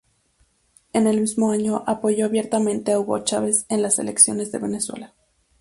En el mismo año apoyó abiertamente a Hugo Chávez en las elecciones de Venezuela.